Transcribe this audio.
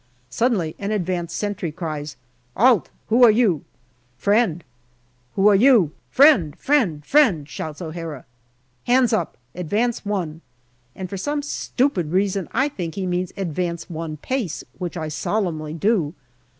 Suddenly an advanced sentry cries, " 'Alt, who are you? "" Friend." " Who are you ?"" Friend friend friend !" shouts O'Hara. " Hands up ; advance one," and for some stupid reason I think he means advance one pace, which I solemnly do.